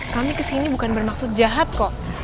kami kesini bukan bermaksud jahat kok